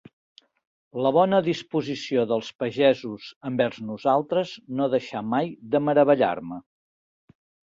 La bona disposició dels pagesos envers nosaltres no deixà mai de meravellar-me.